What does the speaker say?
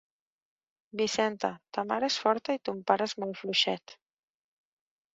Vicenta, ta mare és forta i ton pare és molt fluixet.